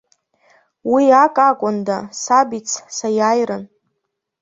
Уи ак акәында, сабиц, саиааирын.